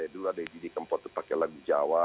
dulu ada didi kempot itu pakai lagu jawa